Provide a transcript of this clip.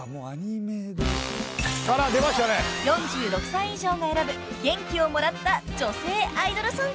［４６歳以上が選ぶ元気をもらった女性アイドルソング］